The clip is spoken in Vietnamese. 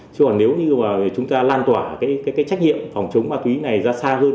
chứ còn nếu như chúng ta lan tỏa trách nhiệm phòng chống ma túy này ra xa hơn